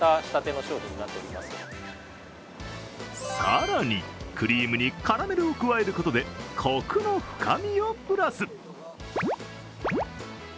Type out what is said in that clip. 更にクリームにカラメルを加えることでコクの深みをプラス。